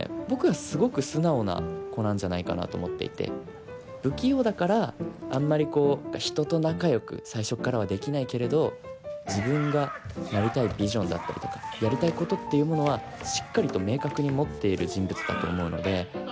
僕はすごく素直な子なんじゃないかなと思っていて不器用だからあんまりこう人と仲よく最初っからはできないけれど自分がなりたいビジョンだったりとかやりたいことっていうものはしっかりと明確に持っている人物だと思うので。